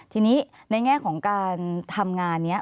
ทีนี้ในแง่ของการทำงานนี้